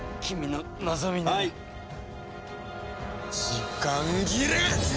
時間切れ！